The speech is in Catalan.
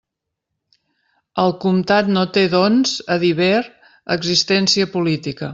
El comtat no té, doncs, a dir ver, existència política.